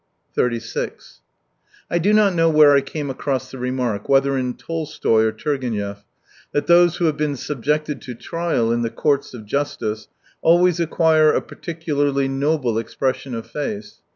36 I do not know where I came across the remark, whether in Tolstoy or Turgenev, that those who have been subjected to trial in the courts of justice always acquire a particularly noble expression of face.